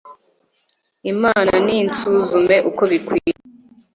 imana ninsuzume uko bikwiye